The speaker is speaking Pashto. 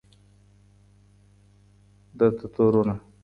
درته تورونه